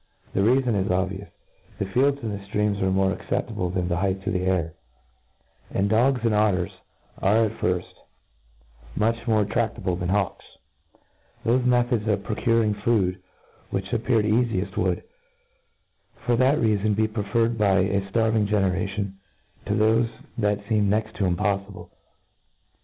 The reafon is obvious, The fields and the ftreanis are more acceffible than the heights of the air j and dogs and ojtters are at firft fight much more tradable than hawks. Thofe methods of procu I N T R O D U C 1 1 O N. 5I ring food which appeared caficft would, for that Tcafon, .be preferred, by a ftarving generation^ to thofe that feemed next to impoffible.